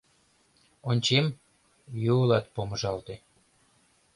Ончем, Юлат помыжалте: